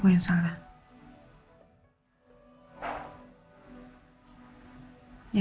kamu masih sedih